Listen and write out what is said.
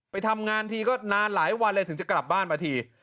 ไปทำงานทีก็นานหลายวันเลยถึงจะกลับบ้านมาที